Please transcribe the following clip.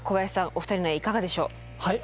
お二人の絵いかがでしょう？